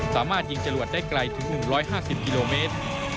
สามารถยิงจรวดได้ไกลถึง๑๕๐กิโลเมตร